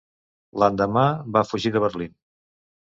L'endemà, va fugir de Berlín.